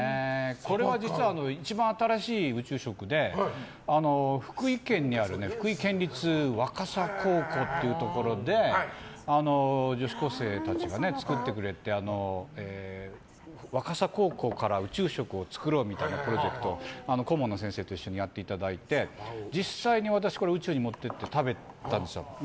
これは実は一番新しい宇宙食で福井県にある福井県立若狭高校っていうところで女子高生たちが作ってくれて若狭高校から宇宙食を作ろうみたいなプロジェクトを顧問の先生と一緒にやっていただいて実際に私宇宙に持っていって食べたんですよ。